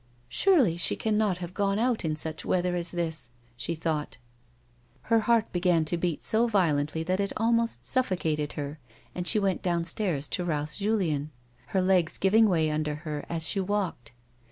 "Surely she cannot have gone out in such weather as this," she thought. Her heart began to beat so violently that it almost suffocated her, and she went downstairs to rouse Julian, her legs giving way under her as she walked.